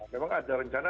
memang ada rencana